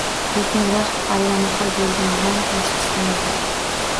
Lekin vaqt allamahal bo‘lganidan tashvishlandi